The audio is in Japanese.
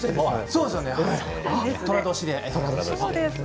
そうです、とら年で。